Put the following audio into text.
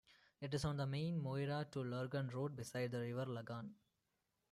It is on the main Moira to Lurgan road, beside the River Lagan.